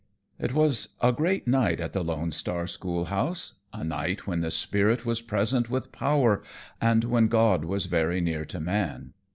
It was a great night at the Lone Star schoolhouse a night when the Spirit was present with power and when God was very near to man.